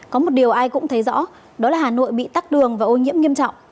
có một điều ai cũng thấy rõ đó là hà nội bị tắt đường và ô nhiễm nghiêm trọng